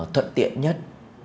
thuận tiện nhất